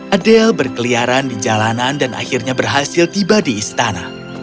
adel berkeliaran di jalanan dan akhirnya berhasil tiba di istana